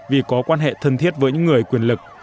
vì có quan hệ thân thiết với những người quyền lực